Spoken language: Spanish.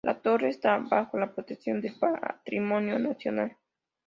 La torre está bajo la protección del patrimonio nacional.